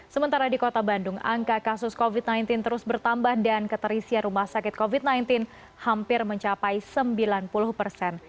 sementara di kota bandung angka kasus covid sembilan belas terus bertambah dan keterisian rumah sakit covid sembilan belas hampir mencapai sembilan puluh persen